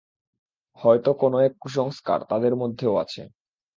হয়তো কোনো এক কুসংস্কার তাদের মধ্যেও আছে।